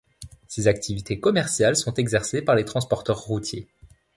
Ces activités commerciales sont exercées par les transporteurs routiers.